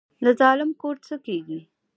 د ظالم کور څه کیږي؟